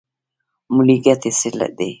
ملي ګټې څه دي؟